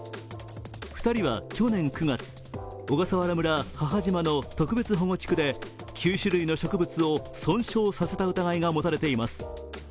２人は去年９月、小笠原村・母島の特別保護地区で９種類の植物を損傷させた疑いが持たれています。